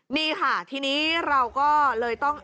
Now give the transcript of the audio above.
นี่ค่ะทีนี้เราก็เลยต้อง